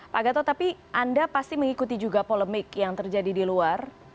pak gatot tapi anda pasti mengikuti juga polemik yang terjadi di luar